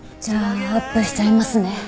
じゃあアップしちゃいますね。